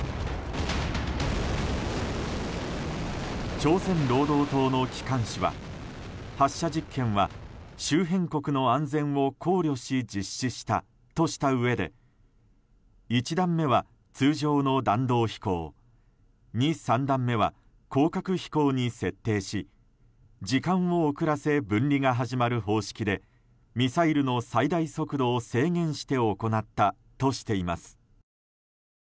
朝鮮労働党の機関紙は発射実験は周辺国の安全を考慮し実施したとしたうえで１段目は通常の弾道飛行２、３段目は高角飛行に設定し時間を遅らせ分離が始まる方式でミサイルの最大速度を制限して行ったとしています。